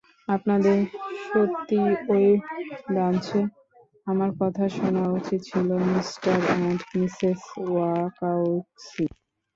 আপনাদের সত্যিই ওই ব্রাঞ্চে আমার কথা শোনা উচিত ছিল, মিস্টার অ্যান্ড মিসেস ওয়াকাওস্কি।